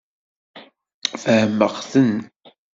Fehmeɣ-ten.